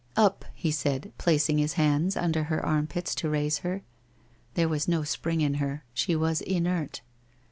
'Up!' he said placing his hands under her arm pits, to raise her. There was no spring in her. She was inert.